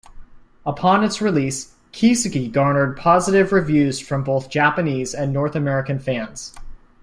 Upon its release, "Kiseki" garnered positive reviews from both Japanese and North American fans.